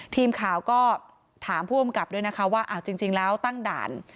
ทีมข่าวก็ถามผู้กำกับด้วยนะคะว่าอ้าวจริงแล้วตั้งด่าน